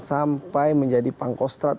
sampai menjadi pangkostrad